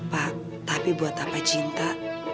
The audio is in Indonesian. pak tapi buat apa cinta